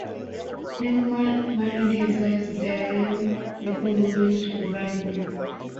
Neumann married his wife Diane before moving to Granby.